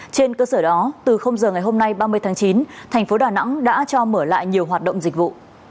trên cơ sở đó từ giờ ngày hôm nay ba mươi tháng chín thành phố đà nẵng đã cho mở lại nhiều hoạt động dịch vụ